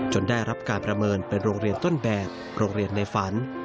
ได้รับการประเมินเป็นโรงเรียนต้นแบบโรงเรียนในฝัน